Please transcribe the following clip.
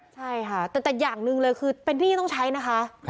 ใช่ค่ะแต่อย่างหนึ่งเลยคือเป็นหนี้ที่ต้องใช้นะคะ